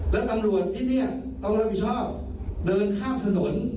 แล้วตำรวจที่นี่ต้องรับผิดชอบเดินข้ามถนน